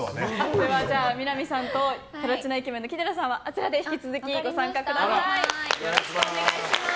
では、みな実さんとプラチナイケメンの木寺さんはあちらで引き続きご参加ください。